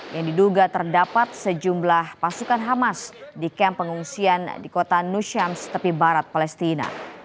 yang diduga terdapat sejumlah pasukan hamas di kamp pengungsian di kota nushians tepi barat palestina